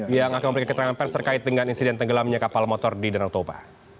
yang akan memberikan keterangan pers terkait dengan insiden tenggelamnya kapal motor di danau toba